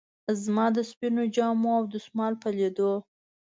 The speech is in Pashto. زما د سپینو جامو او دستمال په لیدو.